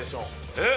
えっ！？